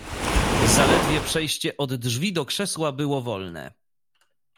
"Zaledwie przejście od drzwi do krzesła było wolne."